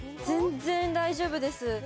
全然大丈夫です。